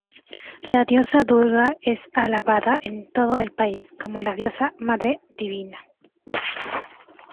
La diosa Durga es alabada en todo el país como la diosa madre divina.